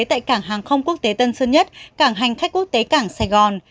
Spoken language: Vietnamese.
tại cảng hàng không quốc tế tân sơn nhất cảng hành khách quốc tế cảng sài gòn